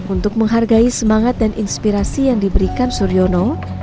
untuk menghargai semangat dan inspirasi yang diberikan suryono